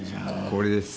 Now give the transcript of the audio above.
これです。